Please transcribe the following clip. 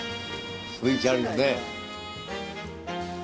雰囲気あるよね。